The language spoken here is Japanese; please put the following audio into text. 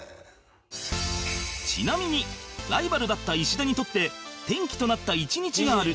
ちなみにライバルだった石田にとって転機となった一日がある